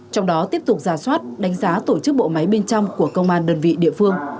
trong đó tiếp tục ra soát đánh giá tổ chức bộ máy bên trong của công an đơn vị địa phương